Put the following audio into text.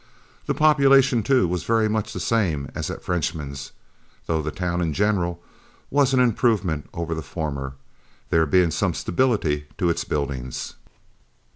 The population too was very much the same as at Frenchman's, though the town in general was an improvement over the former, there being some stability to its buildings.